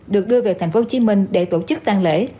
được đưa về tp hcm để tổ chức tăng lễ